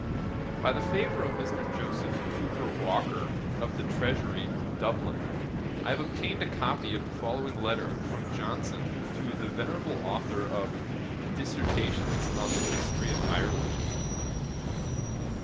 ] By the favour of Mr. Joseph Cooper Walker, of the Treasury, Dublin, I have obtained a copy of the following letter from Johnson to the venerable authour of Dissertations on the History of Ireland. [Page 322: The affinities of language. A.D.